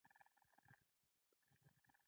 هغه ما ته لکه ښځه ښکارېده.